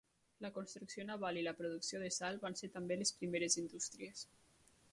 La construcció naval i la producció de sal van ser també les primeres indústries.